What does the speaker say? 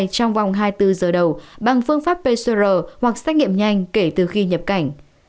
trong vòng hai mươi bốn giờ đầu bằng phương pháp pcr hoặc xét nghiệm nhanh kể từ khi nhập cảnh